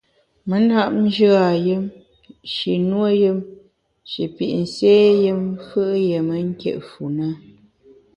Me ntap njù a yùm, shi nuo yùm, shi pit nsé yùm fù’ yié me nkit fu ne.